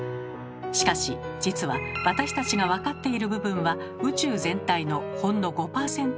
しかし実は私たちが分かっている部分は宇宙全体のほんの５％くらい。